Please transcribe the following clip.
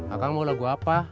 akan mau lagu apa